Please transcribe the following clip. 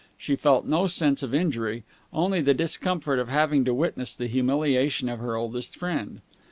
She felt no sense of injury, only the discomfort of having to witness the humiliation of her oldest friend.